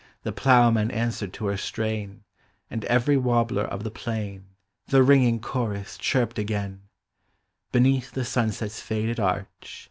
The ploughman a us we red to her strain, And every warbler of the plain The ringing chorus chirped again! Beneath the sunset's faded arch.